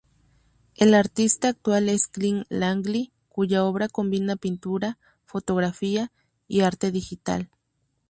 El artista actual es Clint Langley, cuya obra combina pintura, fotografía y arte digital.